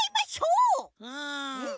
うん。